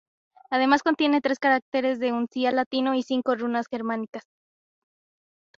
Además contiene tres caracteres de uncial latino y cinco runas germánicas.